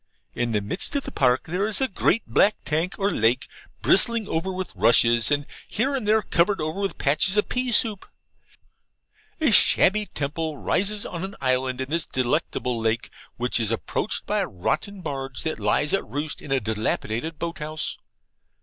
In the midst of the park is a great black tank or lake, bristling over with rushes, and here and there covered over with patches of pea soup. A shabby temple rises on an island in this delectable lake, which is approached by a rotten barge that lies at roost in a dilapidated boat house.